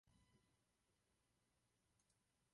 Kromě hlavní části zahrnuje obec i osadu "Nemesleányfalu".